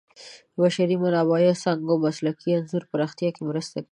د بشري منابعو څانګې مسلکي انځور پراختیا کې مرسته کوي.